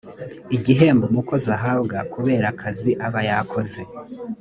igihembo umukozi ahabwa kubera akazi aba yakoze